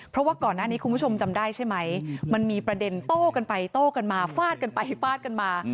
เพราะว่าก่อนหน้านี้คุณผู้ชมจำได้ใช่ไหมมันมีประเด็นโต้กันไปโต้กันมาฟาดกันไปฟาดกันมา